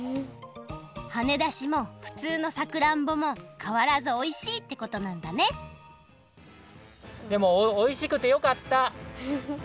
はねだしもふつうのさくらんぼもかわらずおいしいってことなんだねでもおいしくてよかった。